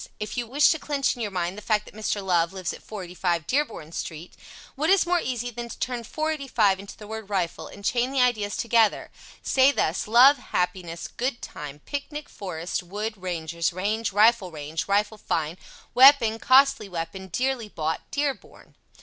If you wish to clinch in your mind the fact that Mr. Love lives at 485 Dearborn Street, what is more easy than to turn 485 into the word "rifle" and chain the ideas together, say thus: "Love happiness good time picnic forest wood rangers range rifle range rifle fine weapon costly weapon dearly bought Dearborn."